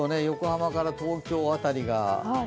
横浜から東京辺りが。